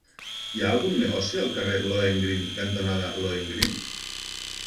Hi ha algun negoci al carrer Lohengrin cantonada Lohengrin?